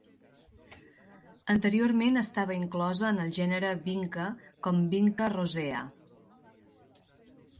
Anteriorment estava inclosa en el gènere "Vinca" com "Vinca rosea".